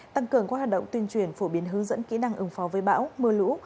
tăng cường các hoạt động tuyên truyền phổ biến hướng dẫn kỹ năng ứng phó với bão mưa lũ